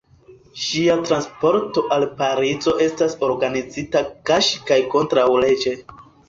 Ŝia transporto al Parizo estas organizita kaŝe kaj kontraŭleĝe.